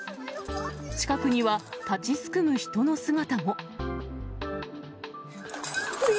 近くには、立ちすくむ人の姿も。